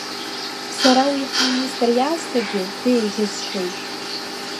Сара уи ҳминистр иаасҭагьы деиӷьысшьоит.